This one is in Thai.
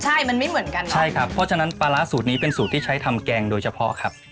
ใช่มันไม่เหมือนกันใช่ครับเพราะฉะนั้นปลาร้าสูตรนี้เป็นสูตรที่ใช้ทำแกงโดยเฉพาะครับ